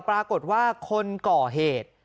ปรากฏว่าคนก่อเหตุ